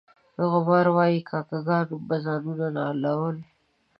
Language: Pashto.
غبار وایي کاکه ګانو به ځانونه نالول.